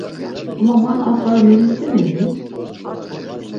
Ama man ar fara memisimini.